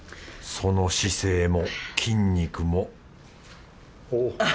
その姿勢も筋肉もおぉ。